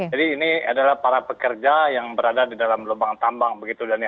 jadi ini adalah para pekerja yang berada di dalam lubang tambang begitu daniel